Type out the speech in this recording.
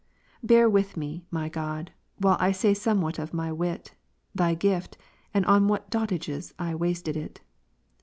Bear with me, my God, while I say somewhat of my wit. Thy gift, and on what dotages I wasted it.